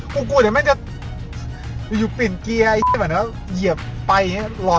กูโอ้กูเดี๋ยวมันจะอยู่ปิดเหี้ยหมายถึงว่าเหยียบไฟแหล่ะ